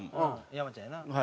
山ちゃんやな。